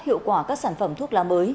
hiệu quả các sản phẩm thuốc lá mới